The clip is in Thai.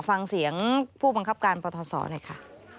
ค่ะฟังเสียงผู้บังคับการปฐศด้วยค่ะ